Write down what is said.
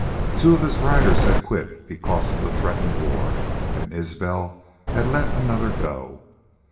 Two of his riders had quit because of the threatened war, and Isbel had let another go.